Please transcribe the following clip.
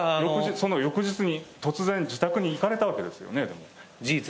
その翌日に突然、自宅に行かれたわけですよね。